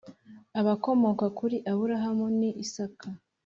abakomoka kuri aburahamu ni isaka